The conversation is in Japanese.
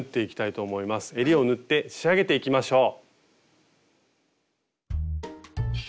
えりを縫って仕上げていきましょう。